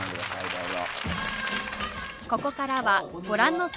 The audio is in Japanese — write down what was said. どうぞ。